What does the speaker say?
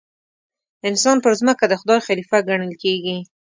انسان پر ځمکه د خدای خلیفه ګڼل کېږي.